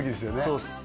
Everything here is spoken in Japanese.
そうです